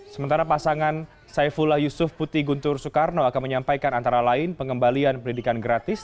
sementara pasangan saifullah yusuf putih guntur soekarno akan menyampaikan antara lain pengembalian pendidikan gratis